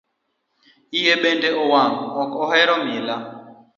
Iye bende wang' ok ohero mila.